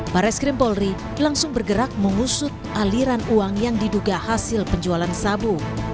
bares krim polri langsung bergerak mengusut aliran uang yang diduga hasil penjualan sabu